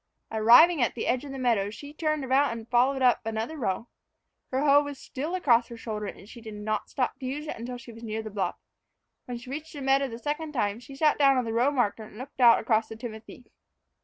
Arrived at the edge of the meadow, she turned about and followed up another row. Her hoe was still across her shoulder, and she did not stop to use it until she was near the bluff. When she reached the meadow the second time, she sat down on the row marker and looked out across the timothy.